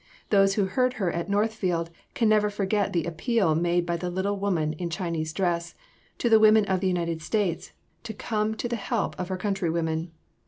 Those who heard her at Northfield can never forget the appeal made by the little woman in Chinese dress, to the women of the United States to come to the help of her countrywomen.